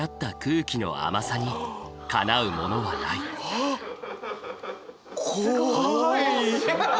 あっ怖い！